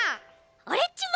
オレっちも！